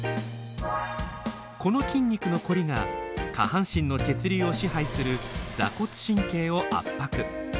この筋肉のコリが下半身の血流を支配する座骨神経を圧迫。